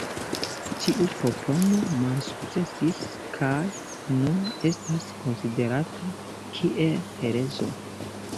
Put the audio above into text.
Tiu propono malsukcesis kaj nun estas konsiderata kiel herezo.